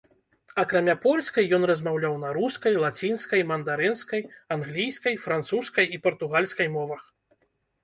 Акрамя польскай, ён размаўляў на рускай, лацінскай, мандарынскай, англійскай, французскай і партугальскай мовах.